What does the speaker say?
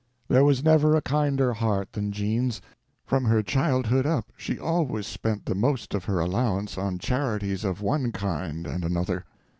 There was never a kinder heart than Jean's. From her childhood up she always spent the most of her allowance on charities of one kind and another.